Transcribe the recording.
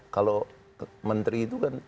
kalau menteri itu kan